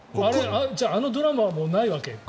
じゃあ、あのドラマはもうないわけ？